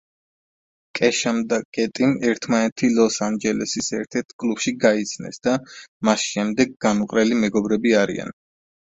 კეშამ და კეტიმ ერთმანეთი ლოს-ანჯელესის ერთ-ერთ კლუბში გაიცნეს და მას შემდეგ განუყრელი მეგობრები არიან.